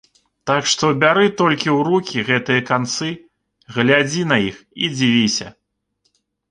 Так што бяры толькі ў рукі гэтыя канцы, глядзі на іх і дзівіся.